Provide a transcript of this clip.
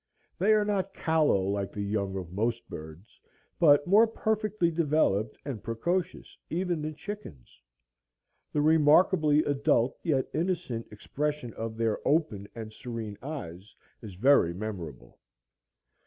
They are not callow like the young of most birds, but more perfectly developed and precocious even than chickens. The remarkably adult yet innocent expression of their open and serene eyes is very memorable.